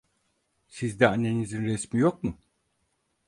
Sizde annenizin resmi yok mu?